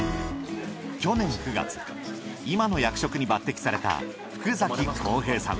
去年９月今の役職に抜擢された福康平さん。